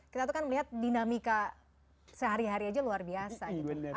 kita tuh kan melihat dinamika sehari hari aja luar biasa gitu